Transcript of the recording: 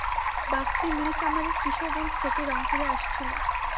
বাসটি নীলফামারীর কিশোরগঞ্জ থেকে রংপুরে আসছিল।